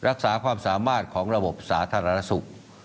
รักษาความสามารถของระบบสาธารณสุข